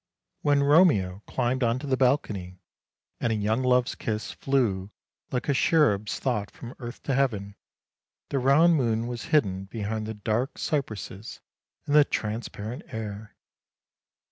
When Romeo climbed on to the balcony and young love's kiss flew like a cherub's thought from earth to heaven, the round moon was hidden behind the dark cypresses in the transparent air.